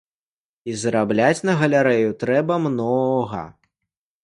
І зарабляць на галерэю трэба многа.